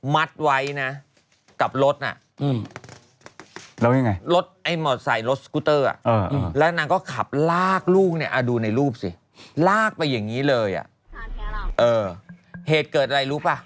มัดไว้นะกับรถน่ะ